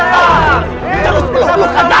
hidup hidup hidup hidup